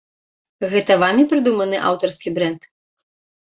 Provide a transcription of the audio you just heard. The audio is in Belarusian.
Гэта вамі прыдуманы аўтарскі брэнд?